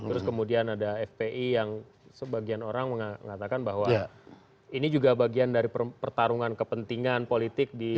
terus kemudian ada fpi yang sebagian orang mengatakan bahwa ini juga bagian dari pertarungan kepentingan politik di dua ribu tujuh belas ini gitu